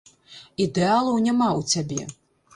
Ідэалаў няма ў цябе.